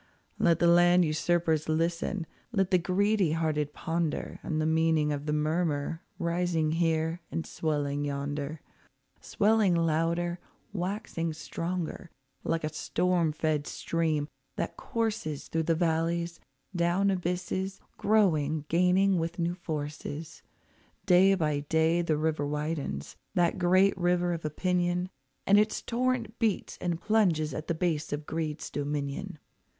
Let the land usurpers listen, let the greedy hearted ponder, On the meaning of the murmur, rising here and swelling yonder, Swelling louder, waxing stronger, like a storm fed stream that courses Through the valleys, down abysses, growing, gaining with new forces. Day by day the river widens, that great river of opinion, And its torrent beats and plunges at the base of greed's dominion.